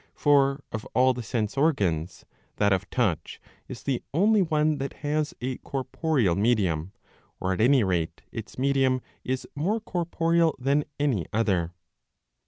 For of all the sense organs that of touch is the only one that has a corporeal medium, or at any rate its medium is more corporeal than any other.